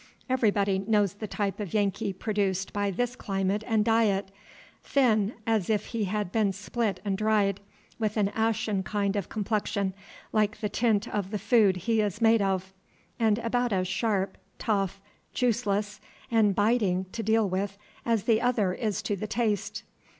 Everybody knows the type of Yankee produced by this climate and diet: thin, as if he had been split and dried; with an ashen kind of complexion, like the tint of the food he is made of; and about as sharp, tough, juiceless, and biting to deal with as the other is to the taste.